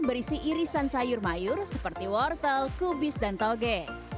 berisi irisan sayur mayur seperti wortel kubis dan tauge